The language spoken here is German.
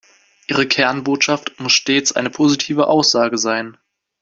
Ihre Kernbotschaft muss stets eine positive Aussage sein.